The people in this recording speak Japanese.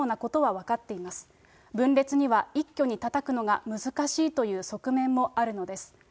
分裂には一挙にたたくのは難しいという側面もあるのです。